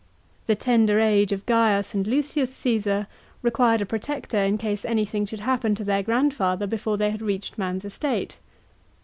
The tender age of Gaius and Lucius Caesar required a protector in case any thing should happen to their grandfather before they had reached man's estate.